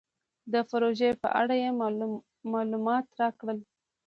د پروژې په اړه یې مالومات راکړل.